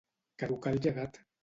Caducar el llegat.